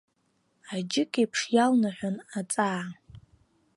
Аџьыкеиԥш иалнаҳәан аҵаа.